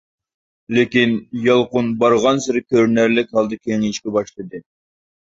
لېكىن يالقۇن بارغانسېرى كۆرۈنەرلىك ھالدا كېڭىيىشكە باشلىدى.